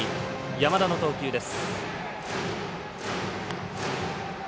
山田の投球です。